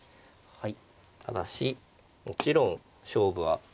はい。